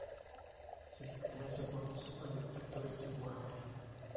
Se desconoce cuantos Súper Destructores llegó a haber.